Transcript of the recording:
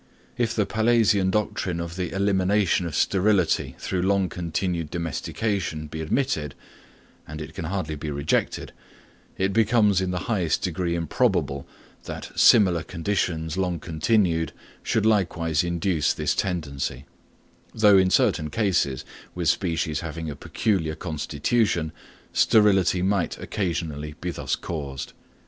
If the Pallasian doctrine of the elimination of sterility through long continued domestication be admitted, and it can hardly be rejected, it becomes in the highest degree improbable that similar conditions long continued should likewise induce this tendency; though in certain cases, with species having a peculiar constitution, sterility might occasionally be thus caused.